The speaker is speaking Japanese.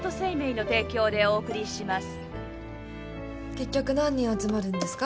結局何人集まるんですか？